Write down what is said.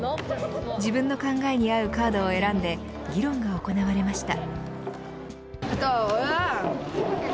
自分の考えに合うカードを選んで議論が行われました。